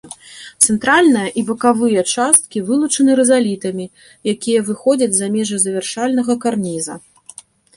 Цэнтральная і бакавыя часткі вылучаны рызалітамі, якія выходзяць за межы завяршальнага карніза.